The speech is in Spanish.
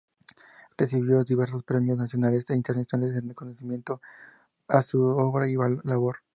Recibió diversos premios nacionales e internacionales en reconocimiento a su obra y labor.